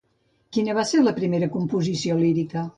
Quina va ser la seva primera composició lírica?